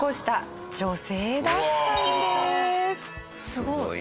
すごい。